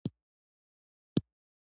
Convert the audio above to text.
د هوږې غوړي د غوږ لپاره وکاروئ